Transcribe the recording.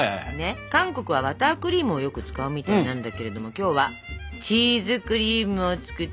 韓国はバタークリームをよく使うみたいなんだけれども今日はチーズクリームを作ってみようと思います